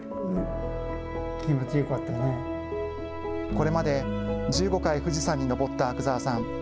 これまで１５回、富士山に登った阿久澤さん。